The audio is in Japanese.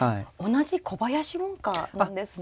同じ小林門下なんですね。